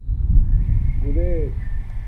گُولیس